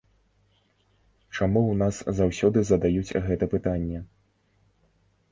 Чаму ў нас заўсёды задаюць гэта пытанне?